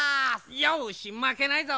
よしまけないぞ。